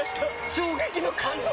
衝撃の感動作！